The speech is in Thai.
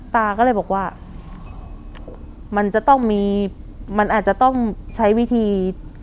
ตาก็เลยบอกว่ามันอาจจะต้องใช้วิธี